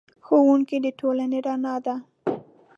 ښوونکی د ټولنې رڼا دی.